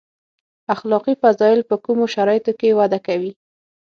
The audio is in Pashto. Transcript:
اخلاقي فضایل په کومو شرایطو کې وده کوي.